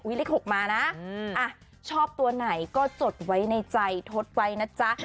เลข๖มานะชอบตัวไหนก็จดไว้ในใจทดไว้นะจ๊ะ